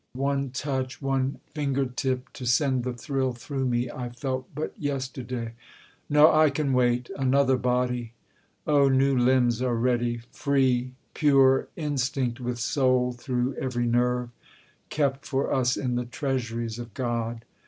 One touch! One finger tip, to send the thrill through me I felt but yesterday! No! I can wait: Another body! Oh, new limbs are ready, Free, pure, instinct with soul through every nerve, Kept for us in the treasuries of God.